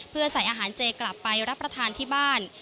เพื่อใส่อาหารเจกลับไปรับประทานที่บ้าน